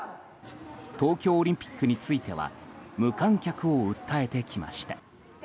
東京オリンピックについては無観客を訴えてきました。